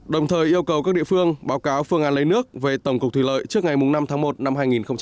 đồng thời yêu cầu các địa phương báo cáo phương án lấy nước về tổng cục thủy lợi trước ngày năm tháng một năm hai nghìn hai mươi